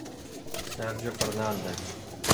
Sérgio Fernández